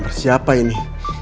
nomor siapa ini